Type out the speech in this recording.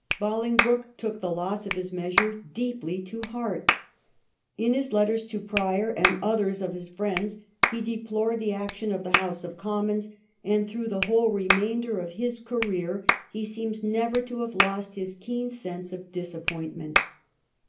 Bolingbroke took the loss of his measure deeply to heart. In his letters to Prior and others of his friends he deplored the action of the House of Commons, and through the whole re mainder of his career he seems never to have lost his keen sense of disappointment.